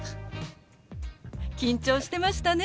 緊張してましたね。